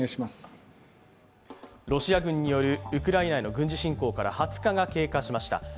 ロシア軍によるウクライナへの軍事侵攻から２０日がすぎました。